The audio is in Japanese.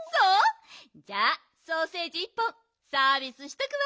じゃあソーセージ１本サービスしとくわ。